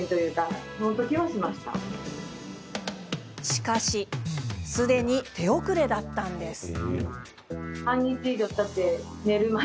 しかし、すでに手遅れだったんです。